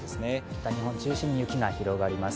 北日本中心に雪が広がります。